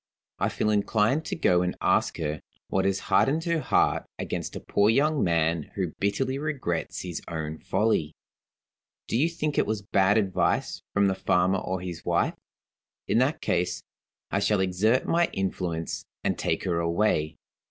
I feel inclined to go and ask her what has hardened her heart against a poor young man who bitterly regrets his own folly. Do you think it was bad advice from the farmer or his wife? In that case, I shall exert my influence, and take her away.